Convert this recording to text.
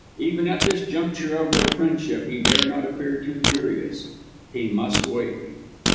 Even at this juncture of their friendship he dare not appear too curious. He must wait.